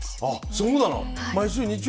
そうなの？